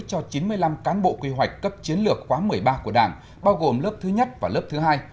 cho chín mươi năm cán bộ quy hoạch cấp chiến lược quá một mươi ba của đảng bao gồm lớp thứ nhất và lớp thứ hai